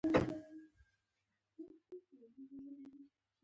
کتابچه کې خپل رازونه خوندي کېږي